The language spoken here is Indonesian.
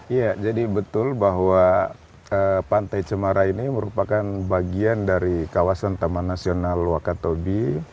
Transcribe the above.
iya jadi betul bahwa pantai cemara ini merupakan bagian dari kawasan taman nasional wakatobi